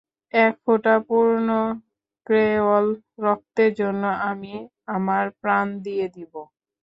এক ফোঁটা পুরনো ক্রেওল রক্তের জন্য আমি আমার প্রাণ দিয়ে দিব!